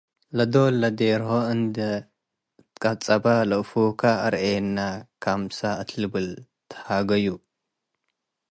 ለዶል ለዲርሆ እንዶ ትቀጸ'በ፤ “ለአፉካ አርኤነ ከመሥ እት ልብል ተሃገዩ።